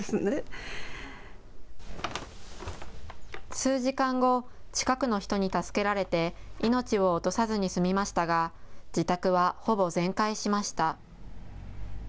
数時間後、近くの人に助けられて命を落とさずに済みましたが自宅はほぼ全壊しました。